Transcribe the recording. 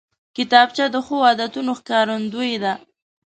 کتابچه د ښو عادتونو ښکارندوی ده